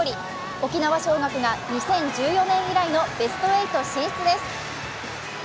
沖縄尚学が２０１４年以来のベスト８進出です。